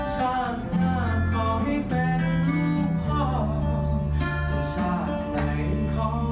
ชาติหน้าขอให้เป็นผู้พ่อชาติในขอเป็นข้ารอ